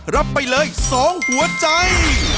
รับไปเลย๒หัวใจ